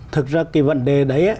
thực ra cái vấn đề đấy